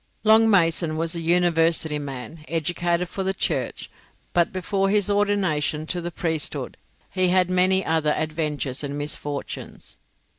Long Mason was a university man, educated for the church, but before his ordination to the priesthood he had many other adventures and misfortunes.